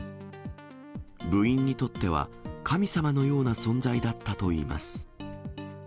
部員にとっては神様のような存在だったといいます。